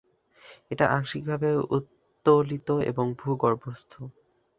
এটা আংশিকভাবে উত্তোলিত এবং ভূগর্ভস্থ।